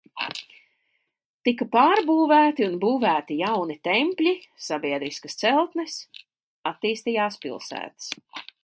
Tika pārbūvēti un būvēti jauni tempļi, sabiedriskas celtnes, attīstījās pilsētas.